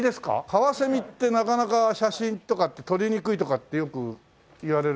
カワセミってなかなか写真とかって撮りにくいとかってよく言われるんだけど。